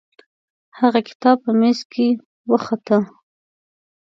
هغه کتاب په میز کې وخته.